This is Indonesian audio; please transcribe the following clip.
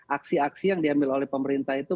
aksi aksi yang diambil oleh pemerintah itu